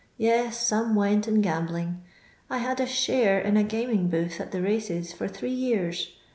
Yes, some went in gambling. I had a share in a gnming booth at the races, for three years.